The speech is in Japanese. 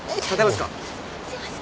すいません。